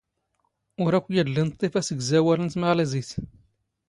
ⵓⵔ ⴰⴽⴽ ⵢⴰⴷⵍⵍⵉ ⵏⵟⵟⵉⴼ ⴰⵙⴳⵣⴰⵡⴰⵍ ⵏ ⵜⵎⴰⵍⵉⵣⵉⵜ.